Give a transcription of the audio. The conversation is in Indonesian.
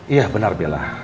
iya benar bella